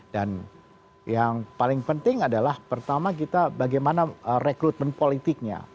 dan yang paling penting adalah pertama kita bagaimana rekrutmen politiknya